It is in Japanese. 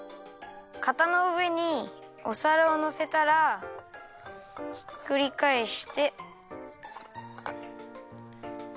かたのうえにおさらをのせたらひっくりかえして。